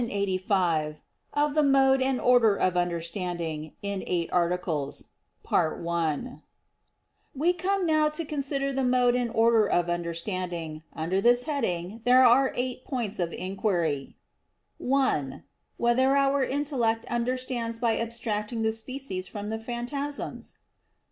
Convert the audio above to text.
_______________________ QUESTION 85 OF THE MODE AND ORDER OF UNDERSTANDING (In Eight Articles) We come now to consider the mode and order of understanding. Under this head there are eight points of inquiry: (1) Whether our intellect understands by abstracting the species from the phantasms?